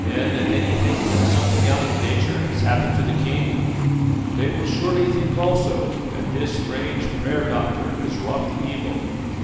Then if any think that something out of nature has happened to the king, they will surely think also that this strange prayer doctor has wrought the evil.